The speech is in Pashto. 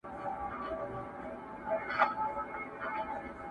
تاسي ځئ ما مي قسمت ته ځان سپارلی!.